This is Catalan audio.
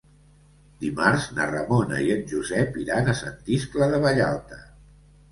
Dimarts na Ramona i en Josep iran a Sant Iscle de Vallalta.